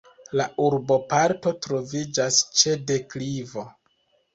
La urboparto troviĝas ĉe deklivo.